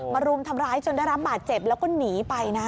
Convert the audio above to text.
รุมทำร้ายจนได้รับบาดเจ็บแล้วก็หนีไปนะ